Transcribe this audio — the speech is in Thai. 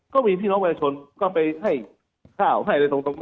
ก็มีพี่น้องประชาชนก็ไปให้ข้าวให้อะไรตรงนั้น